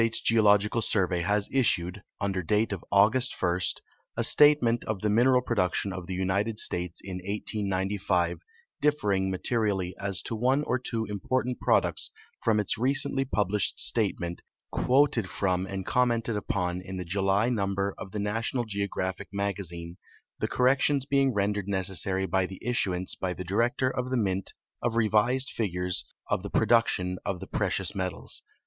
s Geological Survey has issued, under date of August 1, a statement of the mineral production of the United States in 1895 differing materially as to one or Uvo important prod ucts from its recently published statement, quoted from and com mented upon in the July number of the National Geographic Magazine, the corrections being rendered necessary by the issu ance by the Director of the Mint of revised figures of the })ro duction of the precious metals.